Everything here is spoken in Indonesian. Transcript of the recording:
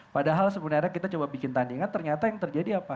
padahal sebenarnya kita coba bikin tandingan ternyata yang terjadi apa